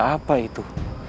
pesaka apa itu